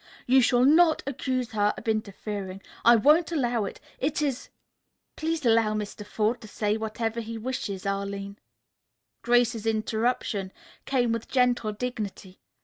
"You shall not accuse her of interfering. I won't allow it. It is " "Please allow Mr. Forde to say whatever he wishes, Arline." Grace's interruption came with gentle dignity.